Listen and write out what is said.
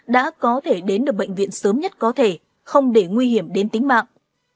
đã có thể đến được bệnh viện sớm nhất có thể không để nguy hiểm đến tính mạng